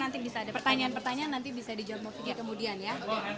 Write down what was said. nanti bisa ada pertanyaan pertanyaan nanti bisa dijawab mbak vicky kemudian ya